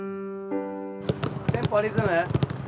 テンポリズム。